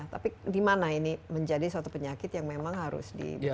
tapi dimana ini menjadi suatu penyakit yang memang harus di betul betul diperhatikan